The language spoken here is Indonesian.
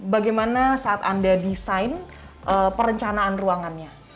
bagaimana saat anda desain perencanaan ruangannya